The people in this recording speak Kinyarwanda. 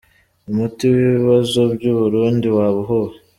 Umuti w’ibibazo by’u Burundi waba uwuhe?.